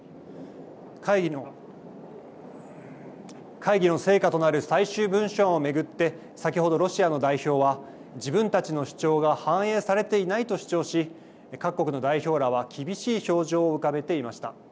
会議の成果となる最終文書を巡って先ほどロシアの代表は自分たちの主張が反映されていないと主張し各国の代表らは厳しい表情を浮かべていました。